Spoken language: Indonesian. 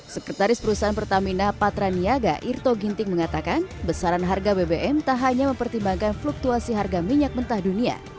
sekretaris perusahaan pertamina patra niaga irto ginting mengatakan besaran harga bbm tak hanya mempertimbangkan fluktuasi harga minyak mentah dunia